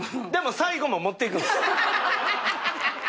でも最後も持っていく。